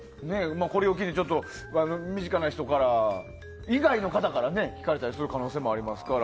これを機に身近な人から以外の方から聞かれる可能性もありますから。